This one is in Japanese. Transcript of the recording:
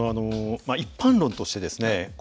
一般論としてですね